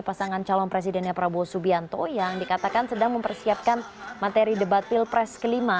pasangan calon presidennya prabowo subianto yang dikatakan sedang mempersiapkan materi debat pilpres kelima